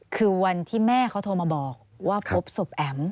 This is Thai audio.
คือวันที่แม่เขาโทรมาบอกว่าพบศพแอ๋ม